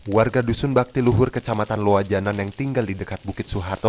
warga dusun bakti luhur kecamatan loajanan yang tinggal di dekat bukit soeharto